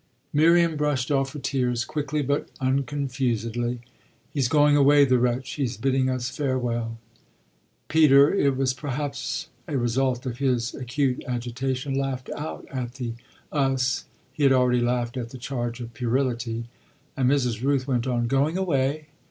Miriam brushed off her tears, quickly but unconfusedly. "He's going away, the wretch; he's bidding us farewell." Peter it was perhaps a result of his acute agitation laughed out at the "us" (he had already laughed at the charge of puerility), and Mrs. Rooth went on: "Going away?